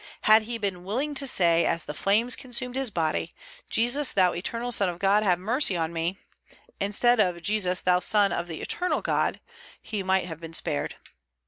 Had he been willing to say, as the flames consumed his body, "Jesus, thou eternal Son of God, have mercy on me!" instead of, "Jesus, thou son of the eternal God!" he might have been spared.